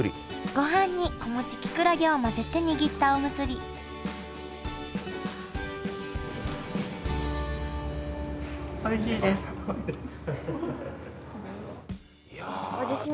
ごはんに子持ちきくらげを混ぜて握ったおむすびいや。とかに入ってます。